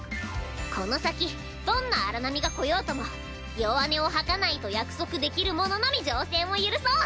この先どんな荒波が来ようとも弱音を吐かないと約束できる者のみ乗船を許そう。